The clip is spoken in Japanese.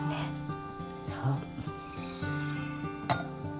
そう。